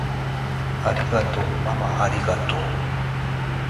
ありがとうままありがとう！